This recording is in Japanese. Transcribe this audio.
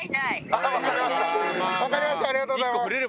ありがとうございます。